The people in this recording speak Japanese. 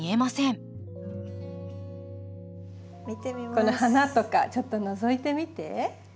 この花とかちょっとのぞいてみて。